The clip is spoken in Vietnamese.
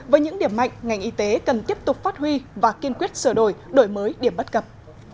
với những điểm mạnh ngành y tế cần tiếp tục phát huy và kiên quyết sửa đổi đổi mới điểm bất cập